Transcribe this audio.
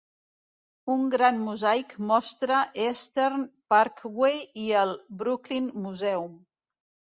Un gran mosaic mostra Eastern Parkway i el "Brooklyn Museum".